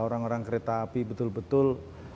orang orang kereta api betul betul